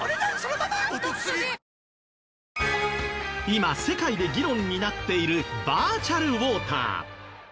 今世界で議論になっているバーチャルウォーター。